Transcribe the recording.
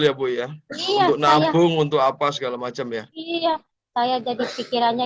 ya bu ya untuk nabung untuk apa segala macam ya iya saya jadi pikirannya